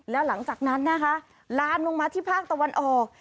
แล้วหลังจากนั้นนะคะลามลงมาที่ภาคตะวันออก